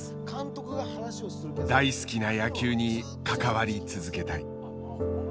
大好きな野球に関わり続けたい。